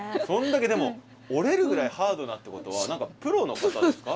そんだけでも折れるぐらいハードだってことはプロの方ですか？